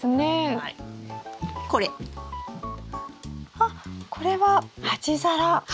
あっこれは鉢皿。